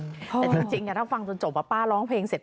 แต่จริงถ้าฟังจนจบว่าป้าร้องเพลงเสร็จ